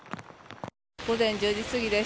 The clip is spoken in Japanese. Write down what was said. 午前１０時過ぎです。